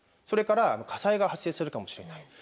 それから火災が発生するかもしれない。